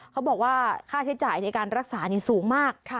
เขาบอกว่าค่าใช้จ่ายในการรักษาสูงมาก